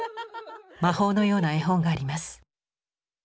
魔法のような絵本があります。